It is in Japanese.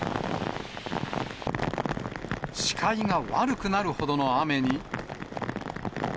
視界が悪くなるほどの雨に。